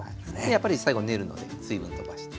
やっぱり最後練るので水分とばして。